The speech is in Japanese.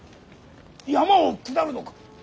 山を下るのか！